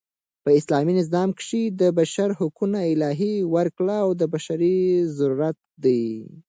په اسلامي نظام کښي د بشر حقونه الهي ورکړه او بشري ضرورت دئ.